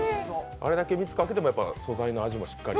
あれだけ蜜かけても素材の味がしっかり？